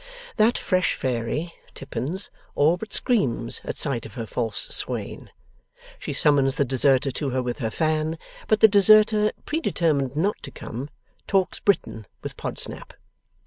That fresh fairy, Tippins, all but screams at sight of her false swain. She summons the deserter to her with her fan; but the deserter, predetermined not to come, talks Britain with Podsnap.